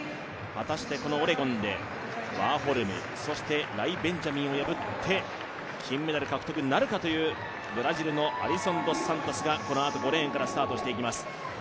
果たしてこのオレゴンでワーホルム、そしてライ・ベンジャミンを破って金メダル獲得なるかというブラジルのアリソン・ドス・サントスがこのあと５レーンからスタートしていきます。